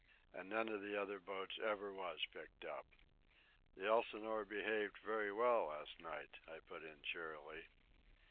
And none of the other boats ever was picked up." "The Elsinore behaved very well last night," I put in cheerily.